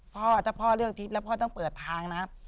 พ่อถ้าพ่อเลือกทิพย์แล้วพ่อต้องเปิดทางนะ